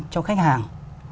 cho khách hàng